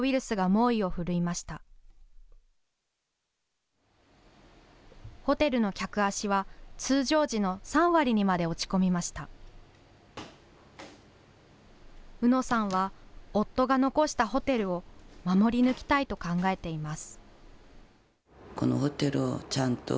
うのさんは夫が残したホテルを守り抜きたいと考えています。